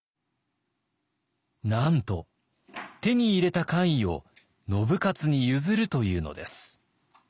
なんと手に入れた官位を信雄に譲るというのです。